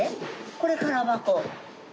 これ空箱。